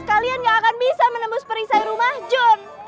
kalian gak akan bisa menembus perisai rumah john